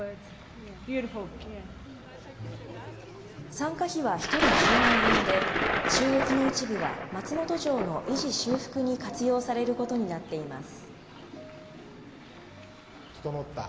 参加費は１人１０万円で、収益の一部は松本城の維持・修復に活用されることになっています。